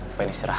apa ini serah